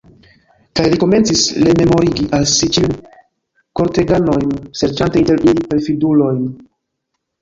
Kaj li komencis rememorigi al si ĉiujn korteganojn, serĉante inter ili perfidulojn.